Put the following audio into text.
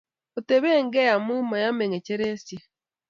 Oteben gei amu ma yemei ng'echeresiek